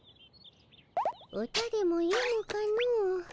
歌でもよむかの。